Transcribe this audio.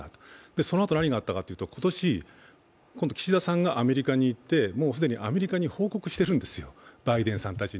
そのあと何があったかというと、今年、今度岸田さんがアメリカに行ってもう既にアメリカに報告してるんですよ、バイデンさんたちに。